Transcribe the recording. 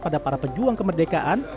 pada para pejuang kemerdekaan